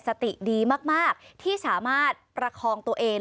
สติดีมากที่สามารถประคองตัวเอง